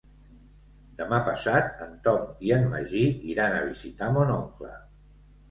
Demà passat en Tom i en Magí iran a visitar mon oncle.